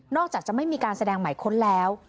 อกจากจะไม่มีการแสดงหมายค้นแล้ว